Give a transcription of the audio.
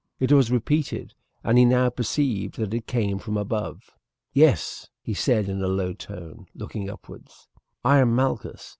It was repeated, and he now perceived that it came from above. "Yes," he said in a low tone, looking upwards, "I am Malchus.